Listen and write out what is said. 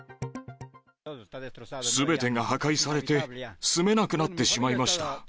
すべてが破壊されて、住めなくなってしまいました。